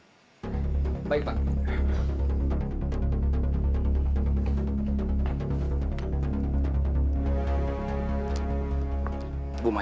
jangan sampai ada yang kurang